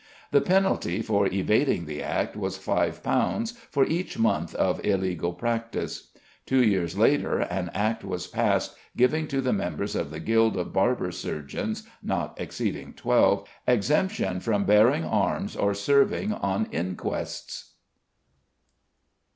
The penalty for evading the Act was £5 for each month of illegal practice. Two years later an Act was passed giving to the members of the Guild of Barber Surgeons (not exceeding twelve) exemption from bearing arms or serving on inquests. THE COLLEGE OF PHYSICIANS.